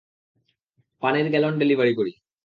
পানির gallon delivery করি।